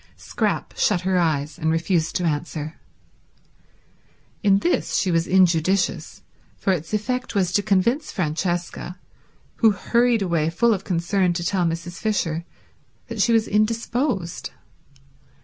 Scrap shut her eyes and refused to answer. In this she was injudicious, for its effect was to convince Francesca, who hurried away full of concern to tell Mrs. Fisher, that she was indisposed.